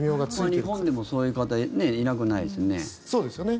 日本でも、そういう方いなくないですよね。